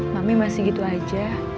mami masih gitu aja